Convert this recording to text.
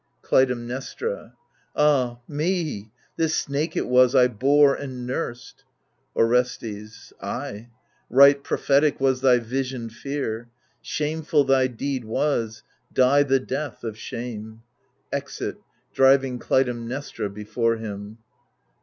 Clytemnestra Ah me ! this snake it was I bore and nursed. Orestes Ay, right prophetic was thy visioned fear. Shameful thy deed was — die the death of shame I [Exit, driving Clytemnestra before him.